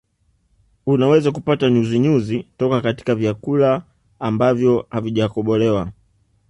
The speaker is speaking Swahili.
Unaweza kupata nyuzinyuzi toka katika vyakula ambavyo havijakobolewa